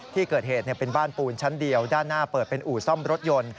ที่เกิดเหตุเป็นบ้านปูนชั้นเดียวด้านหน้าเปิดเป็นอู่ซ่อมรถยนต์